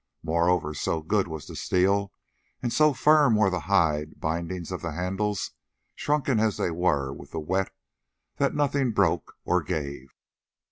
Moreover, so good was the steel, and so firm were the hide bindings of the handles, shrunken as they were with the wet, that nothing broke or gave.